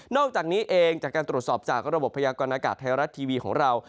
อกจากนี้เองจากการตรวจสอบจากระบบพยากรณากาศไทยรัฐทีวีของเรา